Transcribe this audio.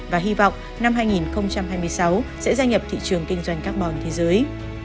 và hy vọng năm hai nghìn hai mươi sáu sẽ gia nhập thị trường kinh doanh carbon thế giới